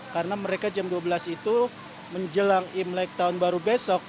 karena mereka jam dua belas itu menjelang imlek tahun baru besok